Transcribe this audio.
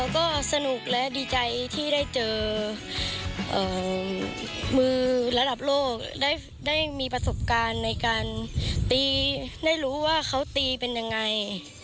ก็สนุกและดีใจที่ได้เจอมือระดับโลกได้มีประสบการณ์ในการตีได้รู้ว่าเขาตีเป็นยังไง